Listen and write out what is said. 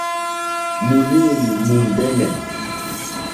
Mùlêlì mùndɛ́nɛ̀.